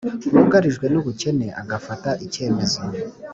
wugarijwe n’ubukene, agafata ikemezo